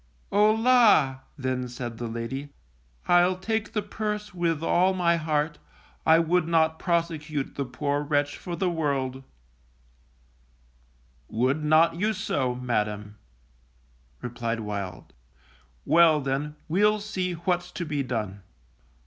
O la! then said the lady, I'll take the purse with all my heart; I would not prosecute the poor wretch for the world. Would not you so, Madam, replied Wild. _Well, then, we'll see what's to be done.